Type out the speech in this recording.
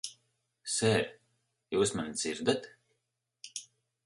Ser, jūs mani dzirdat?